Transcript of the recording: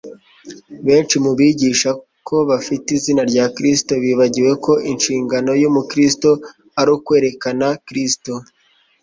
Benshi mu bigisha ko bafite izina rya Kristo bibagiwe ko inshingano y'umukristo ari ukwerekana Kristo.